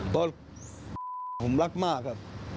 เพราะผมรักมากครับ